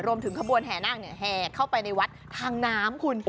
รวมถึงกระบวนแหนี่แหเข้าไปในวัดทางน้ำคุณ